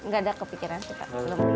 tidak kepikiran sih pak